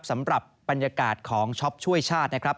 สำหรับบรรยากาศของช็อปช่วยชาตินะครับ